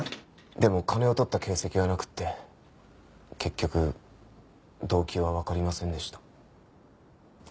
でも金を取った形跡はなくて結局動機はわかりませんでした。